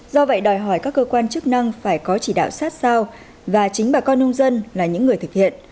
do vậy đòi hỏi các cơ quan chức năng phải có chỉ đạo sát sao và chính bà con nông dân là những người thực hiện